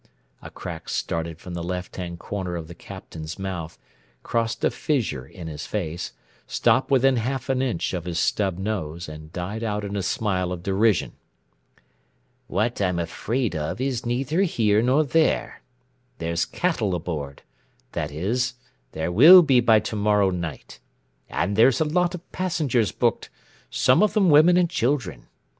A crack started from the left hand corner of the Captain's mouth, crossed a fissure in his face, stopped within half an inch of his stub nose, and died out in a smile of derision. "What I'm afraid of is neither here nor there. There's cattle aboard that is, there will be by to morrow night; and there's a lot of passengers booked, some of 'em women and children.